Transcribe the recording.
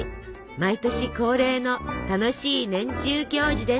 毎年恒例の楽しい年中行事です。